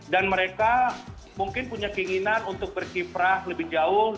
dan mereka mungkin punya keinginan untuk berkiprah lebih jauh